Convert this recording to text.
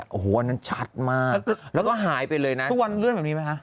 โอ้โหอันนั้นชัดมากแล้วก็หายไปเลยนะทุกวันเลื่อนแบบนี้ไหมคะ